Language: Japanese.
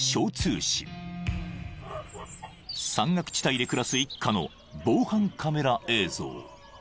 ［山岳地帯で暮らす一家の防犯カメラ映像］